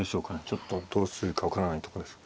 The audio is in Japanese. ちょっとどうするか分からないとこです。